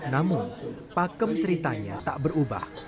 namun pakem ceritanya tak berubah